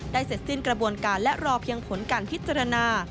เสร็จสิ้นกระบวนการและรอเพียงผลการพิจารณา